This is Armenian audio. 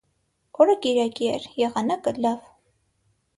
Օրը կիրակի էր, եղանակը՝ լավ.